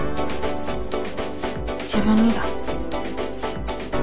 自分にだ。